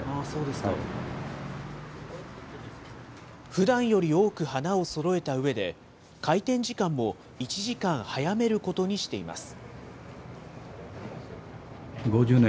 ふだんより多く花をそろえたうえで、開店時間も１時間早めることにしています。